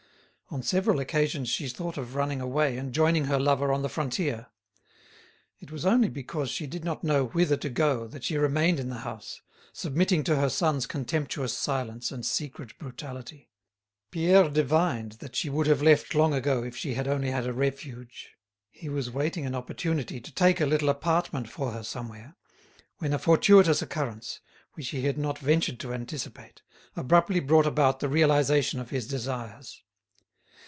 On several occasions she thought of running away and joining her lover on the frontier. It was only because she did not know whither to go that she remained in the house, submitting to her son's contemptuous silence and secret brutality. Pierre divined that she would have left long ago if she had only had a refuge. He was waiting an opportunity to take a little apartment for her somewhere, when a fortuitous occurrence, which he had not ventured to anticipate, abruptly brought about the realisation of his desires.